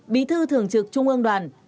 bí thư thường trực trung ương đoàn